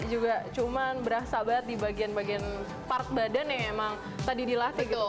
juga cuma berasa banget di bagian bagian part badan yang emang tadi dilatih gitu